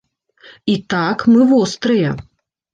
І так, мы вострыя.